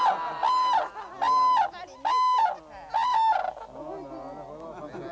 やっぱりね。